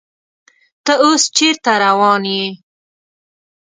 ته اوس چیرته روان یې؟